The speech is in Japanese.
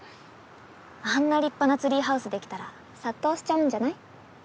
あんな立派なツリーハウス出来たら殺到しちゃうんじゃない？